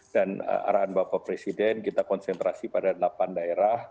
dan arahan bapak presiden kita konsentrasi pada delapan daerah